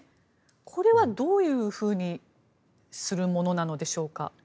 これは、どういうふうにするものなのでしょうか？